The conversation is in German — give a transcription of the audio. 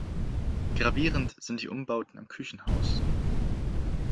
Gravierend sind die Umbauten am Küchenhaus.